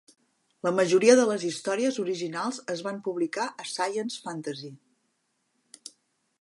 La majoria de les històries originals es van publicar a Science Fantasy.